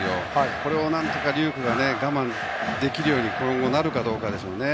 これをなんとか龍空が我慢できるように今後なれるかですよね。